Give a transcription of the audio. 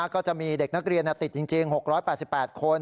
ก็จะมีเด็กนักเรียนติดจริง๖๘๘คน